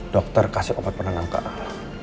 dokter kasih obat penenang ke al